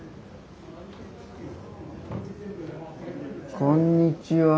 こんにちは。